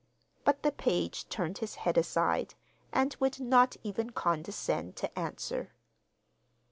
But the page turned his head aside, and would not even condescend to answer.